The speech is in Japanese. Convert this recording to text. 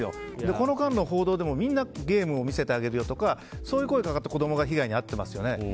この類の報道でもみんなゲームを見せてあげるよとかそういう声がかかった子供が被害に遭ってますよね。